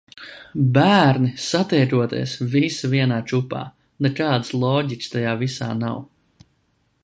Bērni satiekoties visi vienā čupā, nekādas loģikas tajā visā nav.